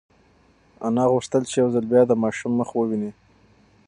انا غوښتل چې یو ځل بیا د ماشوم مخ وویني.